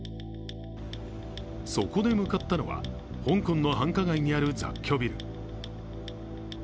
そこで向かったのは、香港の繁華街にある雑居ビル。